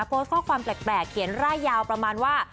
โพสต์ข้อความแปลกเขียนร่ายยาวประมาณว่า